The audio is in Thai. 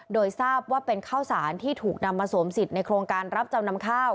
โดยทราบว่าเป็นข้าวสารที่ถูกนำมาสวมสิทธิ์ในโครงการรับจำนำข้าว